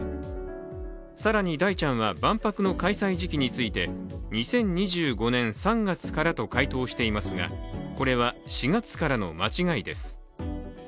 更に大ちゃんは、万博の開催時期について２０２５年３月からと回答していますがこれは、４月からの間違いです。